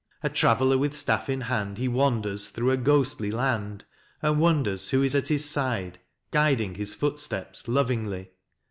A traveller with staff in hand he wanders through a ghostly land, And wonders who is at his side, guiding his footsteps lovingly.